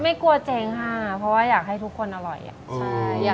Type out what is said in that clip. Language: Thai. ไม่กลัวเจ๊งค่ะเพราะว่าอยากให้ทุกคนอร่อย